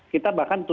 kita bahkan tutup